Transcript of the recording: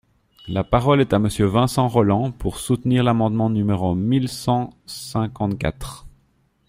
La parole est à Monsieur Vincent Rolland, pour soutenir l’amendement numéro mille cent cinquante-quatre.